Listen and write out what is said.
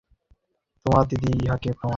হিমু, ইনি তোমার দিদি, ইঁহাকে প্রণাম করো।